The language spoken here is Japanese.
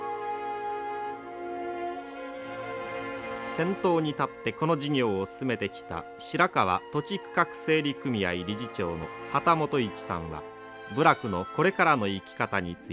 先頭に立ってこの事業を進めてきた白川土地区画整理組合理事長のハタモトイチさんは部落のこれからの生き方について。